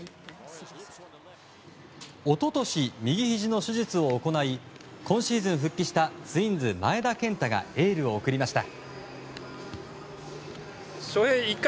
一昨年、右ひじの手術を行い今シーズン復帰したツインズ、前田健太がエールを送りました。